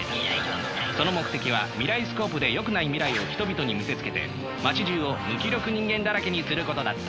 その目的は未来スコープでよくない未来を人々に見せつけて街じゅうを無気力人間だらけにすることだった。